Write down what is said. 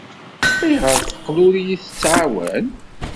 Ayɣer ay teqqel ur iyi-tettɛawan?